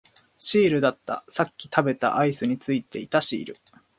シールだった、さっき食べたアイスについていたシール